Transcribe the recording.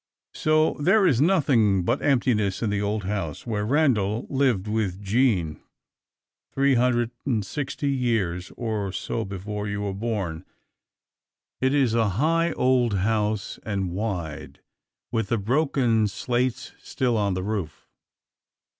So there is nothing but emptiness in the old house where Randal lived with Jean, three hundred and sixty years or so before you were born. It is a high old house, and wide, with the broken slates still on the roof.